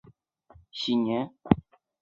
迈向下一个千禧年